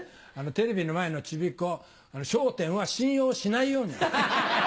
テレビの前のちびっ子『笑点』は信用しないように。